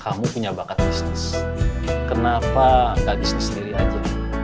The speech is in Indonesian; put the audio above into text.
kamu punya bakat bisnis kenapa gak bisnis sendiri aja